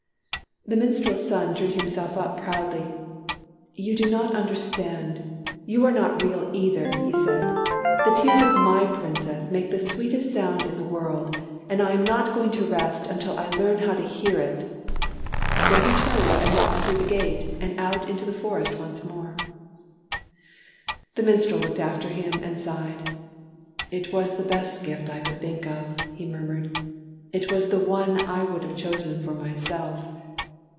The minstrel's son drew himself up proudly. "You do not understand; you are not real TEARS OF PRINCESS PRUNELLA 119 either/' he said. "The tears of my Princess make the sweetest sound in the world, and I am not going to rest until I learn how to hear it." Then he turned and walked through the gate and out into the forest once more. The minstrel looked after him and sighed. "It was the best gift I could think of," he murmured; "it was the one I would have chosen for myself.